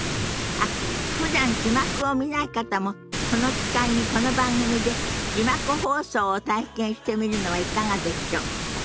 あっふだん字幕を見ない方もこの機会にこの番組で字幕放送を体験してみるのはいかがでしょ。